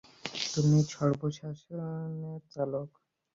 তুমি শবযানের চালক?